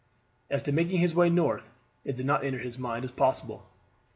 As to making his way north, it did not enter his mind as possible.